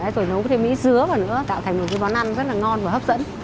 rồi nấu cái mỹ dứa và nữa tạo thành một cái món ăn rất là ngon và hấp dẫn